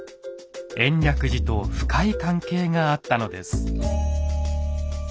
延暦寺と深い関係があったのです。